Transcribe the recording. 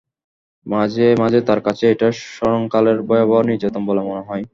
মাঝে মাঝে তার কাছে এটা স্মরণকালের ভয়াবহ নির্যাতন বলে মনে হয়।